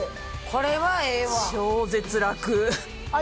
これはええわ。